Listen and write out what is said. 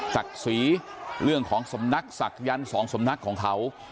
ศักดิ์ศรีเรื่องของสำนักศักยรษ์สองสำนักศักดิ์ศรีของเขา